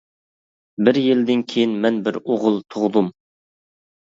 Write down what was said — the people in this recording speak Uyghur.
بىر يىلدىن كېيىن مەن بىر ئوغۇل تۇغدۇم.